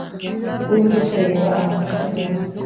W' imbuto yera amasaka meza